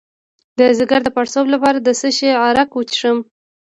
د ځیګر د پړسوب لپاره د څه شي عرق وڅښم؟